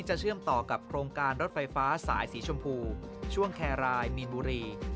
เชื่อมต่อกับโครงการรถไฟฟ้าสายสีชมพูช่วงแครรายมีนบุรี